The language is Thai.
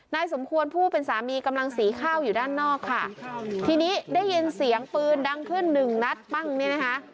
สมควรผู้เป็นสามีกำลังสีข้าวอยู่ด้านนอกค่ะทีนี้ได้ยินเสียงปืนดังขึ้นหนึ่งนัดปั้งเนี่ยนะคะ